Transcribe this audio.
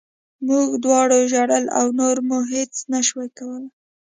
موږ دواړو ژړل او نور مو هېڅ نه شول کولی